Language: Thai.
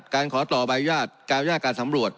ขอต่อใบอนุญาตการอนุญาตการสำรวจ